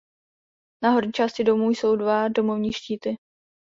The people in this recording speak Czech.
Na horní části domu jsou dva domovní štíty.